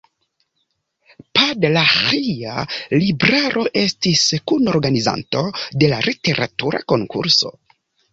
Podlaĥia Libraro estis kunorganizanto de la literatura konkurso.